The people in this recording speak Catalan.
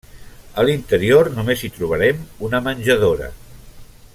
A l'interior només hi trobarem una menjadora.